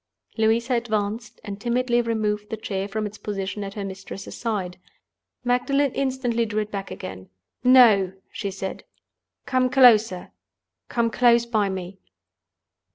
Louisa advanced, and timidly removed the chair from its position at her mistress's side. Magdalen instantly drew it back again. "No!" she said. "Come closer—come close by me."